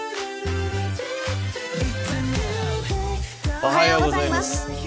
おはようございます。